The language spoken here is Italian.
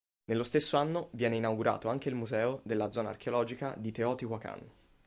Nello stesso anno viene inaugurato anche il museo della zona archeologica di Teotihuacan.